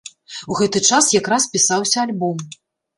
У гэты час якраз пісаўся альбом.